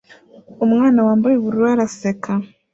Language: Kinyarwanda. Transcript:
Umwana wambaye ubururu araseka